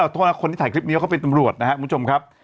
โทษนะครับคนที่ถ่ายคลิปนี้ก็เป็นตำรวจนะฮะคุณผู้ชมครับ